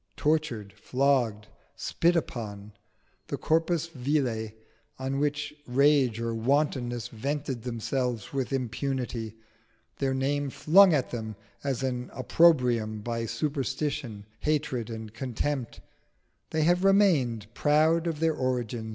Tortured, flogged, spit upon, the corpus vile on which rage or wantonness vented themselves with impunity, their name flung at them as an opprobrium by superstition, hatred, and contempt, they have remained proud of their origin.